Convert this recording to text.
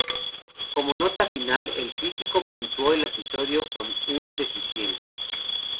Como nota final, el critico puntuó al episodio con un deficiente.